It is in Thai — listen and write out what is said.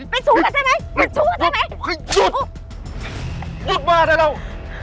เป็นชู้กันใช่ไหมเป็นชู้กันใช่ไหมหยุดหยุดบ้าได้แล้ว